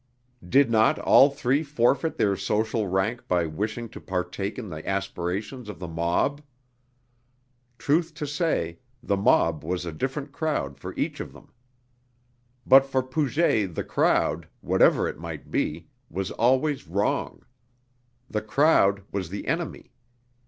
Did not all three forfeit their social rank by wishing to partake in the aspirations of the mob? Truth to say, the mob was a different crowd for each of them. But for Puget the crowd, whatever it might be, was always wrong. The crowd was the enemy.